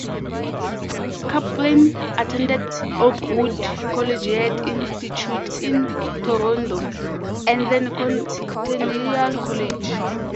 Caplan attended Oakwood Collegiate Institute in Toronto, and then Centennial College.